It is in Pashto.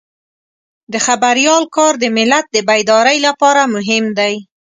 د خبریال کار د ملت د بیدارۍ لپاره مهم دی.